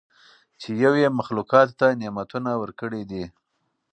چې یو ئي مخلوقاتو ته نعمتونه ورکړي دي